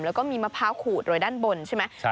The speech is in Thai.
แล้วก็มีมะพร้าวขูดโดยด้านบนใช่ไหม